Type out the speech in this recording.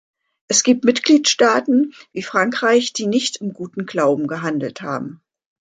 Es gibt Mitgliedstaaten, wie Frankreich, die nicht im guten Glauben gehandelt haben.